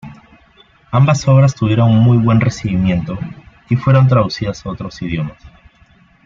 Ambas obras tuvieron muy buen recibimiento, y fueron traducidas a otros idiomas.